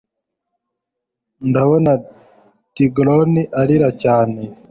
ndabona tigron arira cyane